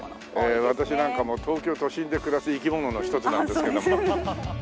私なんかも東京都心で暮らす生き物の一つなんですけど。